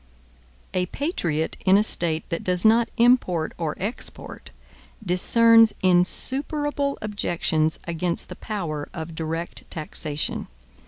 A patriot in a State that does not import or export, discerns insuperable objections against the power of direct taxation.